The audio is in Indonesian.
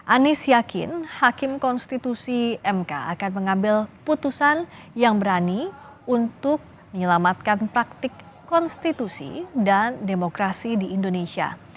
anies yakin hakim konstitusi mk akan mengambil putusan yang berani untuk menyelamatkan praktik konstitusi dan demokrasi di indonesia